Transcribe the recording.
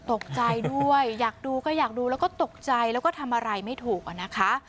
ตกใจด้วยอยากดูก็อยากดูแล้วก็ตกใจแล้วก็ทำอะไรไม่ถูกอะนะคะ